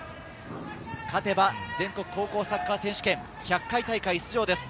勝てば全国高校サッカー選手権１００回大会出場です。